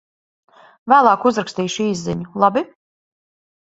Vēlāk uzrakstīšu īsziņu, labi?